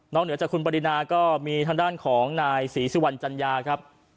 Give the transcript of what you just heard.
เหนือจากคุณปรินาก็มีทางด้านของนายศรีสุวรรณจัญญาครับ